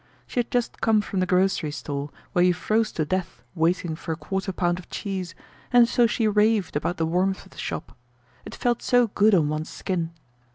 She had just come from the grocery store where you froze to death waiting for a quarter pound of cheese and so she raved about the warmth of the shop. It felt so good on one's skin.